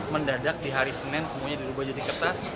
mendadak di hari senin semuanya dirubah jadi kertas